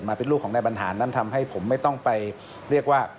แต่บรรหารนั้นทำให้ผมไม่ต้องไปเรียกว่า